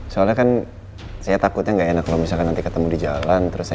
soalnya kan saya takutnya nggak enak kalau misalkan nanti ketemu di jalan